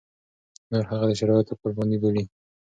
نور هغه د شرايطو قرباني بولي.